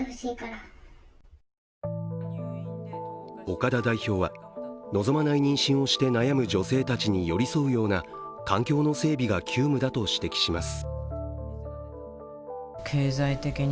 岡田代表は望まない妊娠をして悩む女性たちに寄り添うような環境の整備が急務だと指摘します。